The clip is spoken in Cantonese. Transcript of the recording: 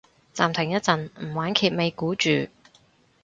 暫停一陣唔玩揭尾故住